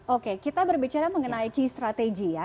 oke kita berbicara mengenai key strategy ya